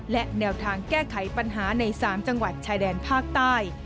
และแนวทางแก้ไขปัญหาใน๓จังหวัดชายแดนภาคใต้